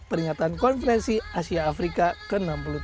peringatan konferensi asia afrika ke enam puluh tiga